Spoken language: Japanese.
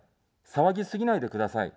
騒ぎすぎないでください。